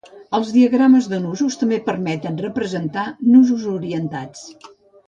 Els diagrames de nusos també permeten representar nusos orientats.